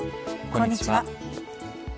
こんにちは。